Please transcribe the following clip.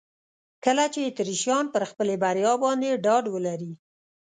کله چې اتریشیان پر خپلې بریا باندې ډاډ ولري.